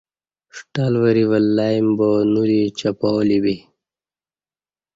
ݜٹل وری ولہ ایم بانو دی چپالی بی